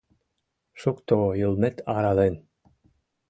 Шукто йылмет арален!